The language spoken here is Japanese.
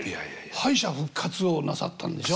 敗者復活をなさったんでしょ？